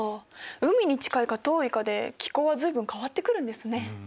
海に近いか遠いかで気候は随分変わってくるんですね。